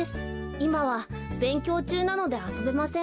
いまはべんきょうちゅうなのであそべません。